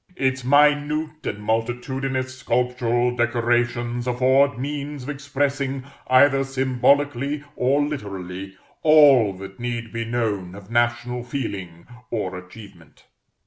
Its minute and multitudinous sculptural decorations afford means of expressing, either symbolically or literally, all that need be known of national feeling or achievement.